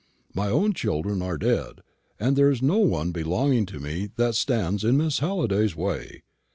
My own children are dead, and there is no one belonging to me that stands in Miss Halliday's way.